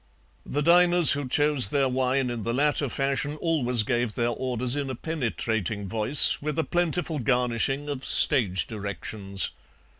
The diners who chose their wine in the latter fashion always gave their orders in a penetrating voice, with a plentiful garnishing of stage directions.